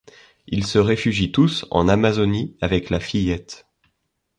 Ils se réfugient tous en Amazonie avec la fillette.